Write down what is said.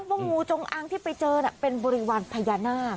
งูจงอางที่ไปเจอเป็นบริวารพญานาค